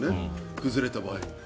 崩れた場合。